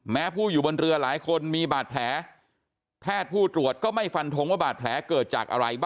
ผู้อยู่บนเรือหลายคนมีบาดแผลแพทย์ผู้ตรวจก็ไม่ฟันทงว่าบาดแผลเกิดจากอะไร